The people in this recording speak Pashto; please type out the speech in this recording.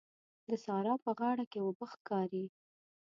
د سارا په غاړه کې اوبه ښکاري.